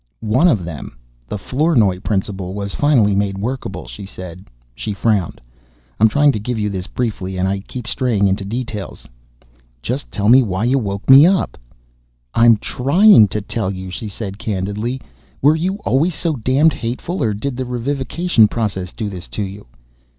"One of them the Flournoy principle was finally made workable," she said. She frowned. "I'm trying to give you this briefly and I keep straying into details." "Just tell me why you woke me up." "I'm trying to tell you." She asked candidly, "Were you always so damned hateful or did the revivification process do this to you?"